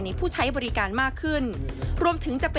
ในผู้ใช้บริการมากขึ้น